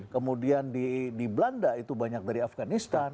kemudian di belanda itu banyak dari afganistan